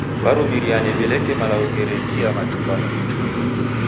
W'arumiriane w'ileke malagho ghiredie machumbano icho.